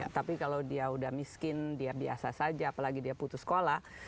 tapi kalau dia udah miskin dia biasa saja apalagi dia putus sekolah